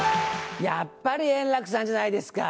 やっぱり円楽さんじゃないですか。